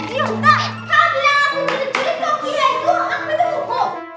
iya udah kamu bilang aku bener bener julid kok